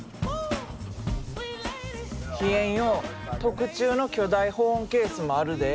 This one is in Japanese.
冷えんよう特注の巨大保温ケースもあるで。